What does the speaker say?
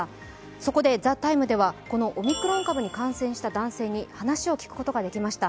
そこで「ＴＨＥＴＩＭＥ，」ではオミクロン株に感染した男性に話を聞くことができました。